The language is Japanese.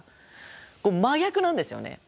真逆なんですよね。